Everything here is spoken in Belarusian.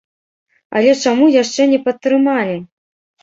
Але чаму яшчэ не падтрымалі?